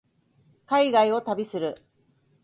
海外を旅する